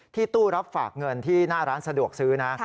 ตู้รับฝากเงินที่หน้าร้านสะดวกซื้อนะ